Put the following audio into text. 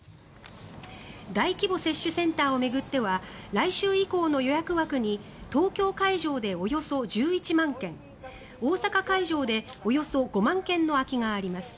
大規模接種センターを巡っては来週以降の予約枠に東京会場でおよそ１１万件大阪会場でおよそ５万件の空きがあります。